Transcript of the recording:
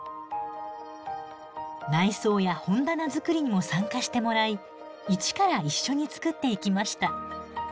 内装や本棚作りにも参加してもらい一から一緒に作っていきました。